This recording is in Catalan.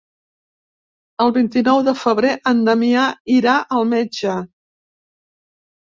El vint-i-nou de febrer en Damià irà al metge.